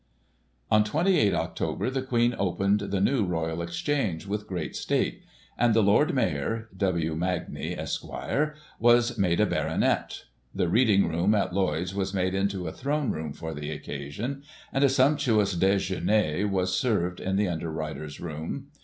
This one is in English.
On 28 Oct. the Queen opened the New Royal Exchange, with great State, and the Lord Mayor (W. Magnay, Esq.) was made a baronet; the reading room at Lloyd's was made into a Throne room for the occasion, and a sumptuous dejeuner was served in the Underwriters' room.